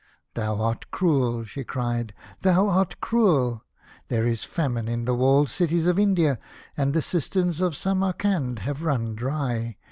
" Thou art cruel," she cried ;" thou art cruel. There is famine in the walled cities of India, and the cisterns of Samarcand have run dry.